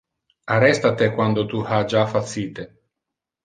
Arresta te quando tu ha ja facite.